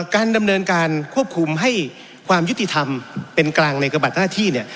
การดำเนินการควบคุมให้ความยุติธรรมเป็นกลางในกระบัดหน้าที่เนี่ย